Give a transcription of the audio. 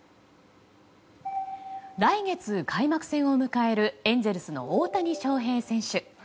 来月開幕戦を迎えるエンゼルスの大谷翔平選手。